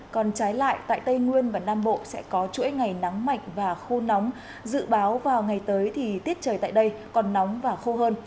còn trái lại tại tây nguyên và nam bộ sẽ có chuỗi ngày nắng mạnh và khô nóng dự báo vào ngày tới thì tiết trời tại đây còn nóng và khô hơn